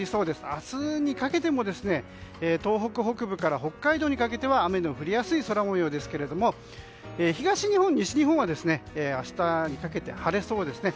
明日にかけても東北北部から北海道にかけては雨の降りやすい空模様ですが東日本、西日本は明日にかけて晴れそうですね。